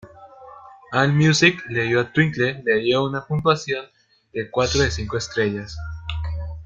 AllMusic le dio a "Twinkle" le dio una puntuación de cuatro de cinco estrellas.